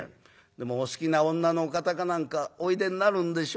『でもお好きな女のお方か何かおいでになるんでしょ？』